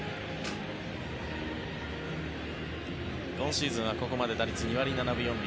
今シーズンはここまで打率２割７分４厘。